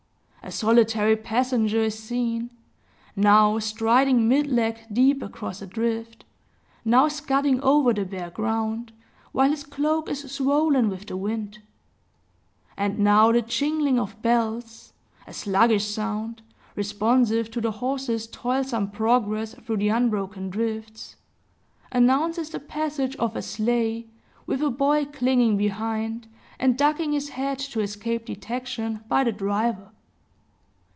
A solitary passenger is seen, now striding mid leg deep across a drift, now scudding over the bare ground, while his cloak is swollen with the wind. And now the jingling of bells, a sluggish sound, responsive to the horse's toilsome progress through the unbroken drifts, announces the passage of a sleigh, with a boy clinging behind, and ducking his head to escape detection by the driver.